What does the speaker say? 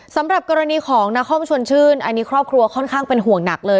สำหรับกรณีของนครชวนชื่นอันนี้ครอบครัวค่อนข้างเป็นห่วงหนักเลย